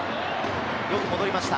よく戻りました。